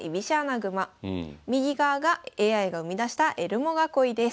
右側がＡＩが生み出したエルモ囲いです。